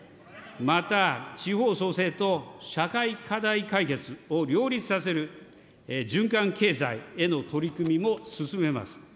また地方創生と社会課題解決を両立させる、循環経済への取り組みも進めます。